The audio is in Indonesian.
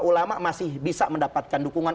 ulama masih bisa mendapatkan dukungan